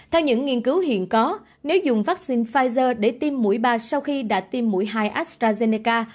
theo những nghiên cứu hiện có nếu dùng vaccine pfizer để tiêm mũi ba sau khi đã tiêm mũi hai astrazeneca